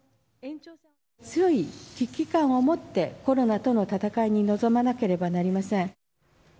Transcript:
強い危機感を持ってコロナとの戦いに臨まなければなりません。